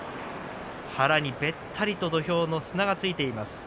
腹にべったりと土俵の砂がついています